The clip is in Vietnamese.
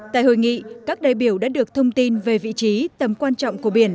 tại hội nghị các đại biểu đã được thông tin về vị trí tầm quan trọng của biển